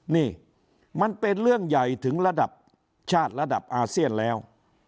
นี่มันเป็นเรื่องใหญ่ถึงระดับชาติระดับอาเซียนแล้ว